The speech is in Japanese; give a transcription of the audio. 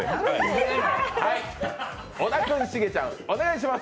小田君、重ちゃんお願いします！